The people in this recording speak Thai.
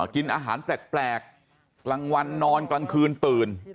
กินอาหารแปลกกลางวันนอนกลางคืนตื่น